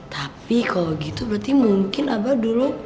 tapi kalau gitu berarti mungkin abah dulu